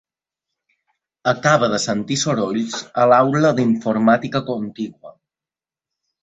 Acaba de sentir sorolls a l'aula d'informàtica contigua.